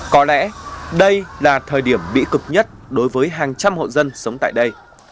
có lẽ đây là thời điểm bị cực nhất đối với hàng trăm hộ dân sống tại đây